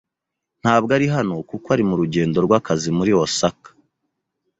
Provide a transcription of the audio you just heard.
Ntabwo ari hano kuko ari murugendo rwakazi muri Osaka.